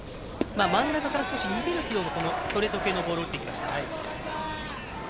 真ん中から少し逃げる軌道のストレート系のボールを打っていきました。